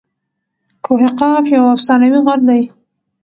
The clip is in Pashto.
کوه قاف یو افسانوي غر دئ.